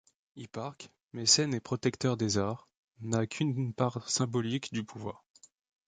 Hipparque, mécène et protecteur des arts, n'a qu'une part symbolique du pouvoir.